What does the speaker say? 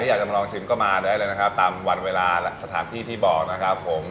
อยากจะมาลองชิมก็มาได้เลยนะครับตามวันเวลาสถานที่ที่บอกนะครับผม